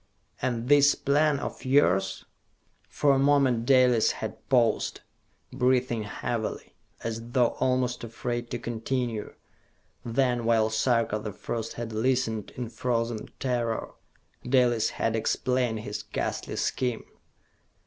"And this plan of yours?" For a moment Dalis had paused, breathing heavily, as though almost afraid to continue. Then, while Sarka the First had listened in frozen terror, Dalis had explained his ghastly scheme.